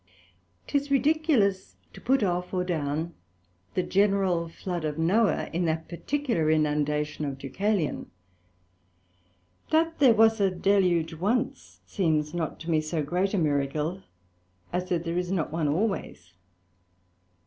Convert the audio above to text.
'Tis ridiculous to put off, or down the general Flood of Noah in that particular inundation of Deucalion: that there was a Deluge once, seems not to me so great a Miracle, as that there is not one always.